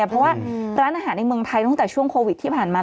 เพราะว่าร้านอาหารในเมืองไทยตั้งแต่ช่วงโควิดที่ผ่านมา